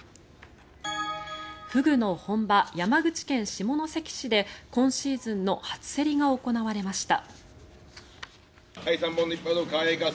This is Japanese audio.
フグの本場、山口県下関市で今シーズンの初競りが行われました。